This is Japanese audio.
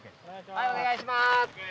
はいお願いします。